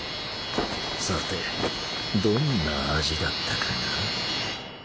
さてどんな味だったかな？